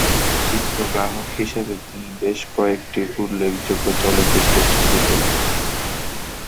চিত্রগ্রাহক হিসাবে তিনি বেশ কয়েকটি উল্লেখযোগ্য চলচ্চিত্রের ছবি তোলেন।